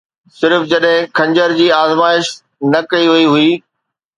صرف جڏهن خنجر جي آزمائش نه ڪئي وئي هئي